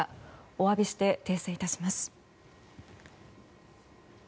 お詫びして訂正いたします。